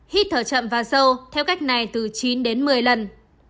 hít thở chậm và sâu theo cách này từ chín đến một mươi lần